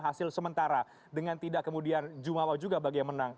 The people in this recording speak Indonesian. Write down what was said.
hasil sementara dengan tidak kemudian jumawa juga bagi yang menang